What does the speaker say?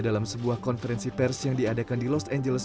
dalam sebuah konferensi pers yang diadakan di los angeles